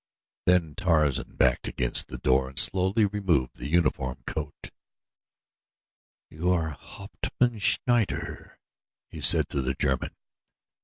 Then Tarzan backed against the door and slowly removed the uniform coat. "You are Hauptmann Schneider," he said to the German.